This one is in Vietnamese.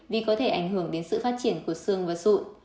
vì có thể ảnh hưởng đến sự phát triển của xương và sụn